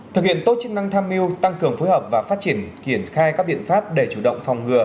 thực hiện tốt chức năng tham mưu tăng cường phối hợp và phát triển triển khai các biện pháp để chủ động phòng ngừa